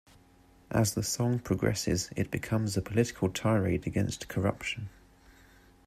As the song progresses, it becomes a political tirade against corruption.